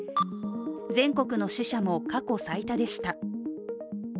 全国の死者も、過去最多でした。